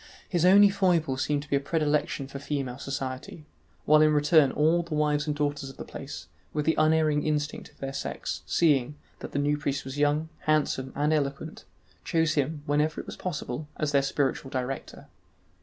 His only foible seemed to be a predilection for female society; while in return all the wives and daughters of the place, with the unerring instinct of their sex, seeing, that the new priest was young, handsome, and eloquent, chose him, whenever it was possible, as their spiritual director.